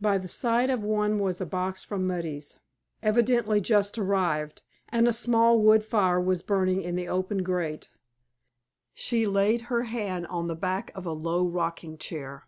By the side of one was a box from Mudie's, evidently just arrived, and a small wood fire was burning in the open grate. She laid her hand on the back of a low rocking chair.